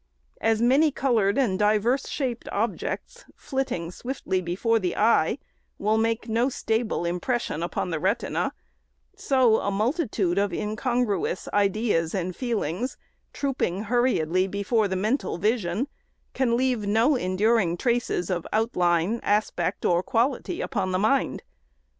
As many colored and diverse shaped objects, flitting swiftly before the eye, will make no stable impression upon the retina ; so a multitude of incongruous ideas and feelings, trooping hurriedly before the mental vision, can leave no enduring traces of outline, aspect or quality upon the mind.